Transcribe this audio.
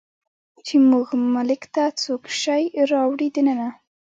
چې زموږ ملک ته څوک شی راوړي دننه